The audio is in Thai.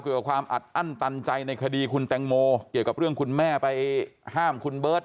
กับความอัดอั้นตันใจในคดีคุณแตงโมเกี่ยวกับเรื่องคุณแม่ไปห้ามคุณเบิร์ต